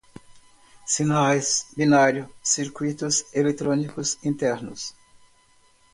sinais, binário, circuitos eletrônicos internos